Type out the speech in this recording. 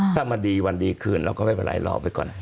ถ้ามันดีวันดีคืนเราก็ไม่เป็นไรรอไปก่อน